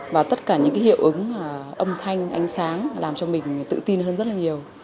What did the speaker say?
và tất cả những cái hiệu ứng âm thanh ánh sáng làm cho mình tự tin hơn rất là nhiều